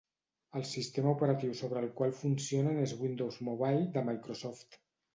El sistema operatiu sobre el qual funcionen és Windows Mobile de Microsoft.